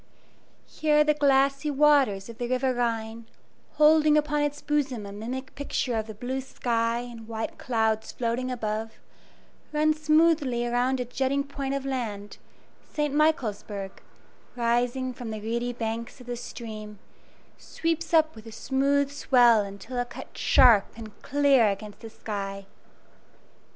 Here the glassy waters of the River Rhine, holding upon its bosom a mimic picture of the blue sky and white clouds floating above, runs smoothly around a jutting point of land, St. Michaelsburg, rising from the reedy banks of the stream, sweeps up with a smooth swell until it cuts sharp and clear against the sky.